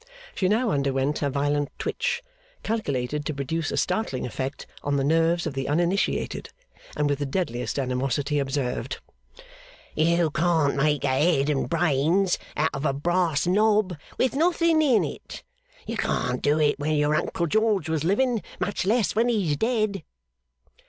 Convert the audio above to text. She now underwent a violent twitch, calculated to produce a startling effect on the nerves of the uninitiated, and with the deadliest animosity observed: 'You can't make a head and brains out of a brass knob with nothing in it. You couldn't do it when your Uncle George was living; much less when he's dead.